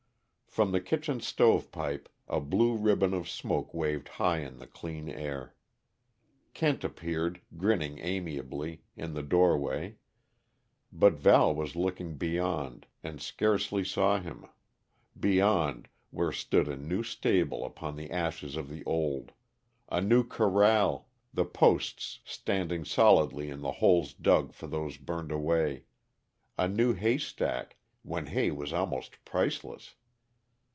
From the kitchen stovepipe a blue ribbon of smoke waved high in the clear air. Kent appeared, grinning amiably, in the doorway, but Val was looking beyond, and scarcely saw him beyond, where stood a new stable upon the ashes of the old; a new corral, the posts standing solidly in the holes dug for those burned away; a new haystack when hay was almost priceless!